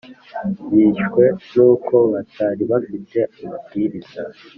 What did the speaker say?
Byishwe n’uko batari bafite amabwiriza